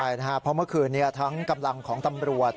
ใช่นะครับเพราะเมื่อคืนนี้ทั้งกำลังของตำรวจ